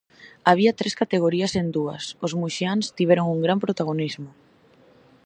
Había tres categorías e en dúas os muxiáns tiveron un gran protagonismo.